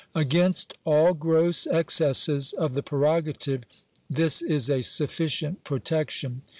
Against all gross excesses of the prerogative this is a sufficient protection.